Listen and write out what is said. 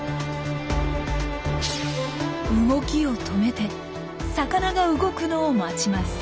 動きを止めて魚が動くのを待ちます。